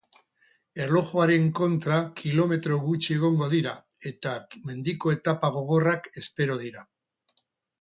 Erlojuaren kontra kilometro gutxi egongo dira eta mendiko etapa gogorrak espero dira.